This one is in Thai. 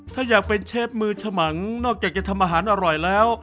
ถ้าอยากเป็นเชฟมือฉมังนอกจากจะทำอาหารอร่อยแล้ว